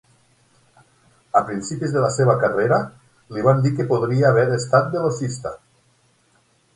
A principis de la seva carrera li van dir que podria haver estat velocista.